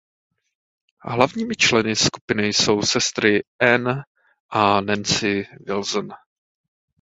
Hlavními členy skupiny jsou sestry Ann a Nancy Wilson.